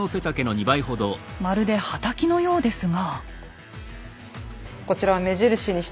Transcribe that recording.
まるでハタキのようですが。